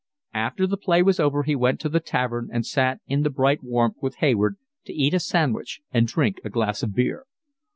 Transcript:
After the play was over he went to a tavern and sat in the bright warmth with Hayward to eat a sandwich and drink a glass of beer.